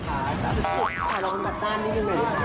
อ่าลองจ้านยังมิภาร้องเพลงอย่างนั้น